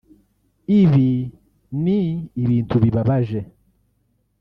Ibi ni ibintu bibabaje